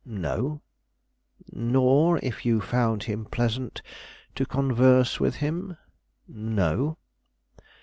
"No." "Nor, if you found him pleasant, to converse with him?" "No."